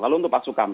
lalu untuk pak sukamta